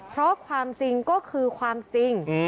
เพราะความจริงก็คือความจริง